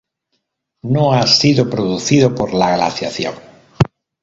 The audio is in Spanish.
No ha sido producido por la Glaciación.